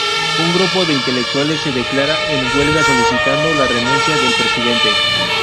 Un grupo de intelectuales se declara en huelga solicitando la renuncia del Presidente.